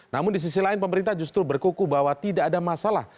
namun di sisi lain pemerintah justru berkuku bahwa tidak ada masalah